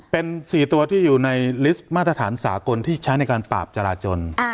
เป็น๔ตัวที่อยู่ในลิสต์มาตรฐานสากลที่ใช้ในการปราบจราจน